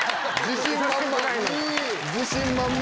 自信満々！